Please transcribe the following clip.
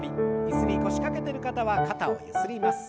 椅子に腰掛けてる方は肩をゆすります。